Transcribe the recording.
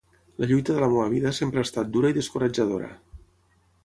La lluita de la meva vida sempre ha estat dura i descoratjadora.